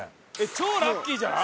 超ラッキーじゃない？